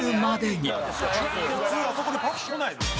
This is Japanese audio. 「普通あそこでパスこないのよ」